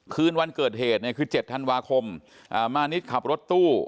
คืนวันเกิดเหตุเนี่ยคือ๗ธันวาคมมานิดขับรถตู้